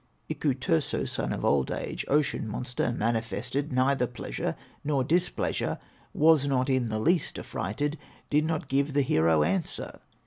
Iku Turso, son of Old age, Ocean monster, manifested Neither pleasure, nor displeasure, Was not in the least affrighted, Did not give the hero answer.